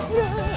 tidak tidak tidak